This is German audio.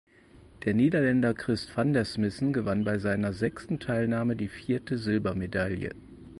Der Niederländer Christ van der Smissen gewann bei seiner sechsten Teilnahme die vierte Silbermedaille.